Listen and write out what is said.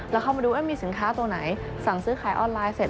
แล้วเข้ามาดูมีสินค้าตัวไหนสั่งซื้อขายออนไลน์เสร็จ